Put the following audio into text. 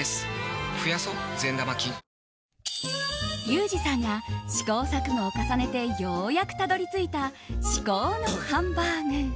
リュウジさんが試行錯誤を重ねてようやくたどり着いた至高のハンバーグ。